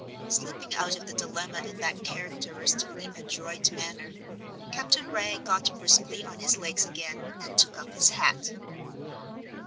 Slipping out of the dilemma in that characteristically adroit manner, Captain Wragge got briskly on his legs again and took up his hat.